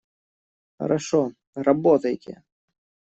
Хорошо. Работайте!